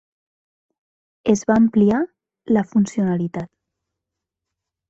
Es va ampliar la funcionalitat.